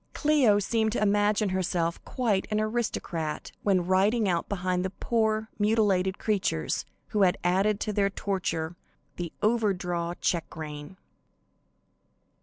Cleo seemed to imagine herself quite an aristocrat when riding out behind the poor, mutilated creatures, who had added to their torture the over draw check rein.